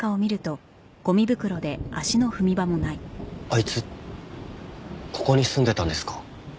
あいつここに住んでたんですか？